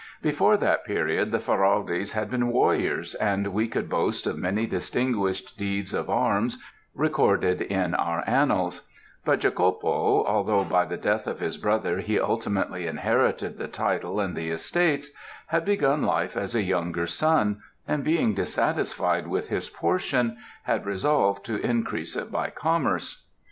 Before that period the Ferraldis had been warriors, and we could boast of many distinguished deeds of arms recorded in our annals; but Jacopo, although by the death of his brother, he ultimately inherited the title and the estates, had begun life as a younger son, and being dissatisfied with his portion, had resolved to increase it by commerce.